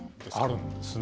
あるんですね。